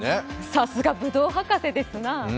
さすが、ぶどう博士ですな。